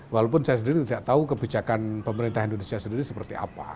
walaupun saya sendiri tidak tahu kebijakan pemerintah indonesia sendiri seperti apa